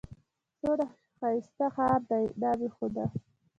څونه ښايسته ښار دئ! نام خدا!